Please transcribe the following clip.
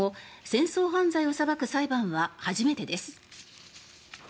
戦争犯罪を裁く裁判は初めてです。